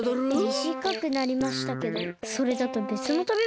みじかくなりましたけどそれだとべつのたべものになっちゃいますよ。